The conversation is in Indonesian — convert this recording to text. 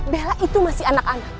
bella itu masih anak anak